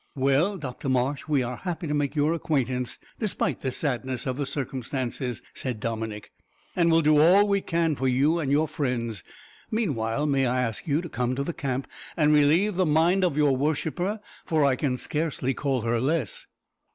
"Well, Dr Marsh, we are happy to make your acquaintance, despite the sadness of the circumstances," said Dominick, "and will do all we can for you and your friends; meanwhile, may I ask you to come to the camp and relieve the mind of your worshipper, for I can scarcely call her less."